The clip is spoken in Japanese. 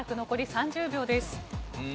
残り１０秒です。